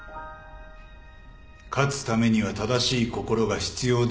勝つためには正しい心が必要であるということだ。